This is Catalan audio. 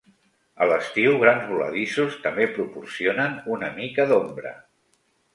A l'estiu, grans voladissos també proporcionen una mica d'ombra.